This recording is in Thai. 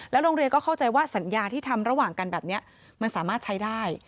โรงเรียนก็เข้าใจว่าสัญญาที่ทำระหว่างกันแบบนี้มันสามารถใช้ได้